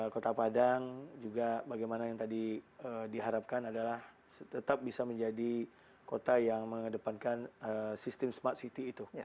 kota padang juga bagaimana yang tadi diharapkan adalah tetap bisa menjadi kota yang mengedepankan sistem smart city itu